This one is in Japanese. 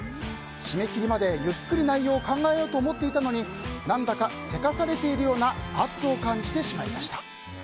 締め切りまでゆっくり内容を考えようと思っていたのに何だか急かされているような圧を感じてしまいました。